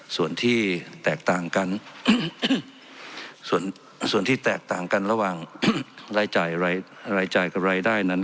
ส่วนที่แตกต่างกันส่วนที่แตกต่างกันระหว่างรายจ่ายรายจ่ายกับรายได้นั้น